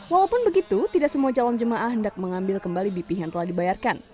walaupun begitu tidak semua calon jemaah hendak mengambil kembali bp yang telah dibayarkan